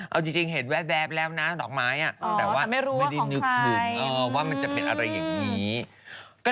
เอาจริงเห็นแบบแล้วนะดอกไม้อ่ะแต่ว่าไม่ได้นึกถึงว่ามันจะเป็นอะไรอย่างงี้อ๋อทำไมไม่รู้ว่าของใคร